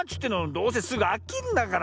どうせすぐあきんだから。